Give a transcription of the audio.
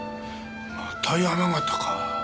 また山形か。